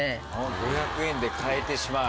５００円で買えてしまう。